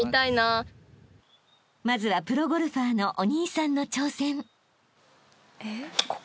［まずはプロゴルファーのお兄さんの挑戦］